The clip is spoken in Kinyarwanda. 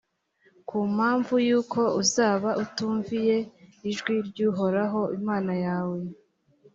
ku mpamvu y’uko uzaba utumviye ijwi ry’uhoraho imana yawe.